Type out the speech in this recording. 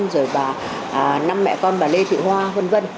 rồi bà năm mẹ con bà lê thị hoa v v